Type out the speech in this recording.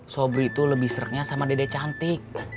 sobri tuh lebih seretnya sama dede cantik